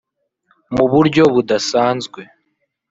mu buryo budasanzwe